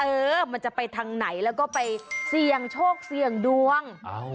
เออมันจะไปทางไหนแล้วก็ไปเสี่ยงโชคเสี่ยงดวง